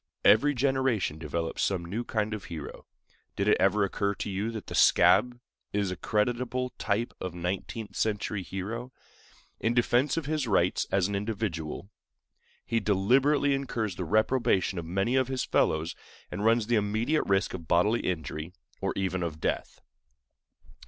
Every generation develops some new kind of hero. Did it ever occur to you that the "scab" is a creditable type of nineteenth century hero? In defense of his rights as an individual, he deliberately incurs the reprobation of many of his fellows, and runs the immediate risk of bodily injury, or even of death.